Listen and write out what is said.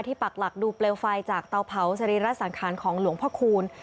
ปักหลักดูเปลวไฟจากเตาเผาสรีระสังขารของหลวงพ่อคูณ